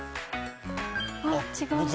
あっ違う。